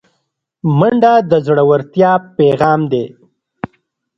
منډه د زړورتیا پیغام دی